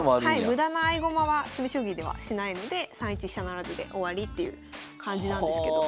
無駄な合駒は詰将棋ではしないので３一飛車不成で終わりっていう感じなんですけど。